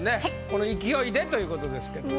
この勢いでということですけど。